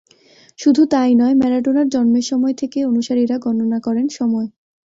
শুধু তা-ই নয়, ম্যারাডোনার জন্মের সময় থেকেই অনুসারীরা গণনা করেন সময়।